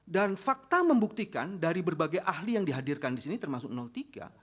dan fakta membuktikan dari berbagai ahli yang dihadirkan di sini termasuk tiga